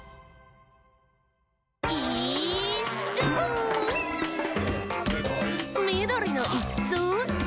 「イーッス」「みどりのイッス」